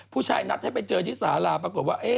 ผู้ชายนัดให้ไปเจอที่สาราปรากฏว่า